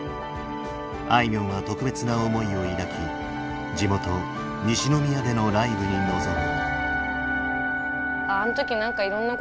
あいみょんは特別な思いを抱き地元西宮でのライブに臨む。